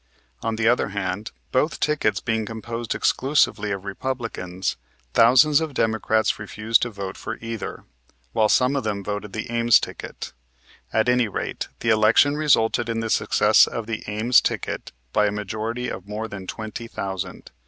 On the other hand, both tickets being composed exclusively of Republicans, thousands of Democrats refused to vote for either, while some of them voted the Ames ticket. At any rate the election resulted in the success of the Ames ticket by a majority of more than twenty thousand.